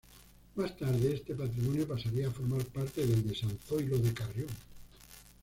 Más tarde este patrimonio pasaría a formar parte del de San Zoilo de Carrión.